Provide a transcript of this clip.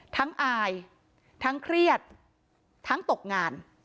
อายทั้งเครียดทั้งตกงาน